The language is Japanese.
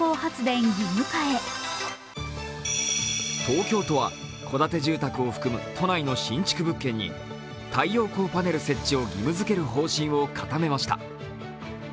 東京都は戸建て住宅を含む都内の新築物件に太陽光パネル設置を義務づける方針を固めました。